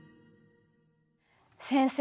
先生